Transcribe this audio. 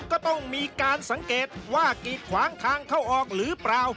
ก็ต้องมีการสังเกตว่ากีดขวางทางเข้าออกหรือเปล่า